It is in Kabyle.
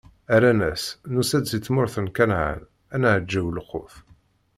Rran-as: Nusa-d si tmurt n Kanɛan, ad naǧew lqut.